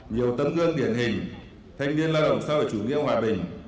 nhiều tấm gương điển hình thanh niên lao động xã hội chủ nghĩa hòa bình